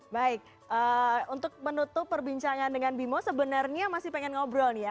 baik untuk menutup perbincangan dengan bimo sebenarnya masih pengen ngobrol nih ya